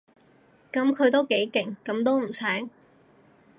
噉佢都幾勁，噉都唔醒